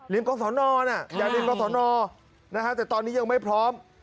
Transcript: รีมกองสนน่ะอยากรีมกองสนนะฮะแต่ตอนนี้ยังไม่พร้อม